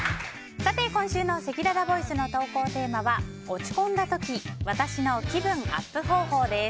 さて、今週のせきららボイスの投稿テーマは落ち込んだ時私の気分アップ方法です。